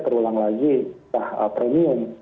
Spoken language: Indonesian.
terulang lagi premium